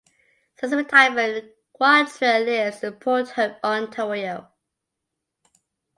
Since retirement, Quantrill lives in Port Hope, Ontario.